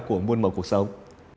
của muôn một cuộc sống